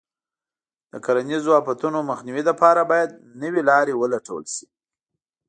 د کرنیزو آفتونو مخنیوي لپاره باید نوې لارې ولټول شي.